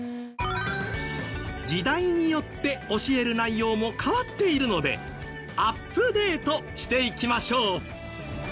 時代によって教える内容も変わっているのでアップデートしていきましょう。